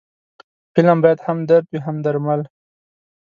فلم باید هم درد وي، هم درمل